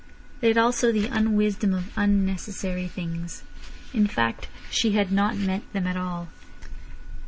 They had also the unwisdom of unnecessary things. In fact, she had not meant them at all.